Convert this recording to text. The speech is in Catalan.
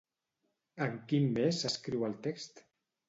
En quin mes s'escriu el text?